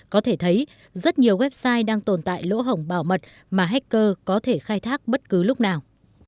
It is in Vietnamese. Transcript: có thể thấy rất nhiều website đang tồn tại lỗ hồng bảo mật mà hacker có thể khai thác bất cứ lúc nào